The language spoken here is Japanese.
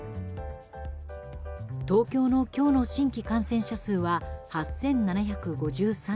東京の今日の新規感染者数は８７５３人。